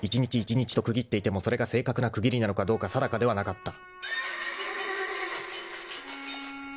［１日１日と区切っていてもそれが正確な区切りなのかどうか定かではなかった］